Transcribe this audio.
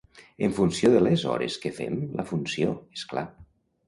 En funció de les hores que fem la funció, és clar.